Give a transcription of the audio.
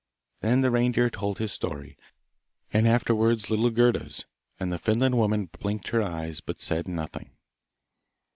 Then the reindeer told his story, and afterwards little Gerda's and the Finland woman blinked her eyes but said nothing.